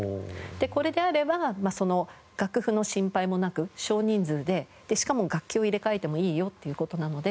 でこれであればその楽譜の心配もなく少人数でしかも楽器を入れ替えてもいいよっていう事なので。